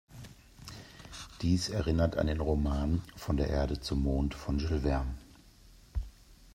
Dies erinnert an den Roman "Von der Erde zum Mond" von Jules Verne.